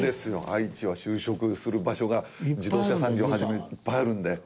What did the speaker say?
愛知は就職する場所が自動車産業を始めいっぱいあるんで。